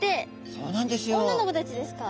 そうなんです。